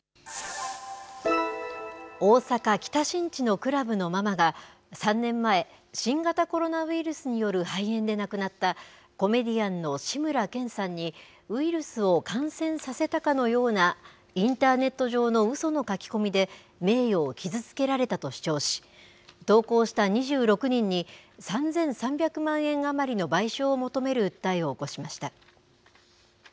大阪・北新地のクラブのママが、３年前、新型コロナウイルスによる肺炎で亡くなったコメディアンの志村けんさんに、ウイルスを感染させたかのようなインターネット上のうその書き込みで名誉を傷つけられたと主張し、投稿した２６人に、３３００万円余りの賠償を求める訴えを起こしました。